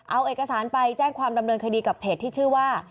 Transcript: เอาเอกสารไปแจ้งความดำเนินคดีกับเพจที่ชื่อว่า